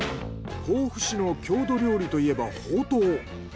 甲府市の郷土料理といえばほうとう。